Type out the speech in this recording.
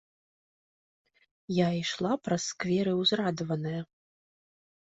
Я ішла праз скверы ўзрадаваная.